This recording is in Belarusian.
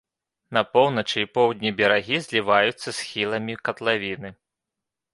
На поўначы і поўдні берагі зліваюцца з схіламі катлавіны.